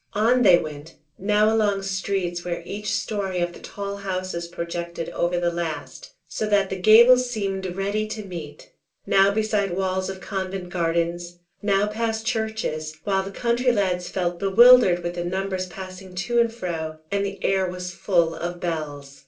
On they went, now along streets where each story of the tall houses projected over the last, so that the gables seemed ready to meet; now beside walls of convent gardens, now past churches, while the country lads felt bewildered with the numbers passing to and fro, and the air was full of bells.